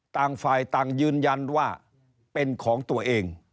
ต่างฝ่ายต่างยืนยันว่าเป็นของตัวเอง